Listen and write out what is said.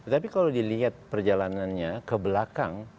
tapi kalau dilihat perjalanannya ke belakang